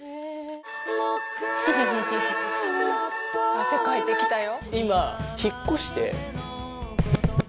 汗かいてきたよ。